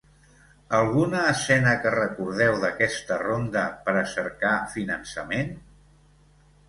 Alguna escena que recordeu d’aquesta ronda per a cercar finançament?